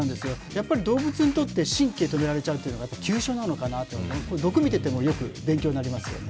やっぱり動物によって神経止められちゃうというのが急所なのかなって毒を見ていても勉強になりますよね。